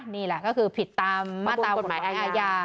นี่แหละก็คือผิดตามมาตรากฎหมายทางอาญา